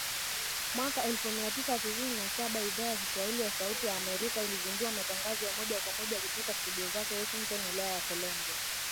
Mwaka elfu mia tisa sitini na saba, Idhaa ya Kiswahili ya Sauti ya Amerika ilizindua matangazo ya moja kwa moja kutoka studio zake Washington Wilaya ya Columbia